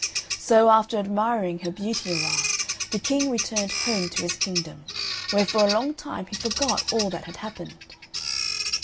So, after admiring her beauty awhile, the King returned home to his kingdom, where for a long time he forgot all that had happened.